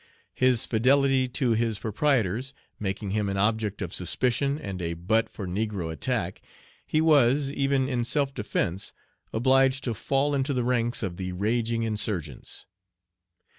His fidelity to his proprietors making him an object of suspicion and a butt for negro attack, he was, even in self defence, obliged to fall into the ranks of the raging insurgents.